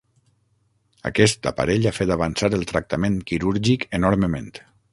Aquest aparell ha fet avançar el tractament quirúrgic enormement.